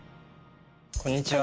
こんにちは。